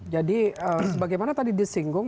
jadi bagaimana tadi disinggung